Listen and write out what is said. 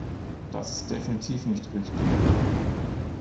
Das ist definitiv nicht richtig.